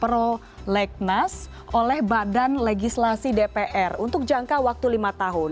prolegnas oleh badan legislasi dpr untuk jangka waktu lima tahun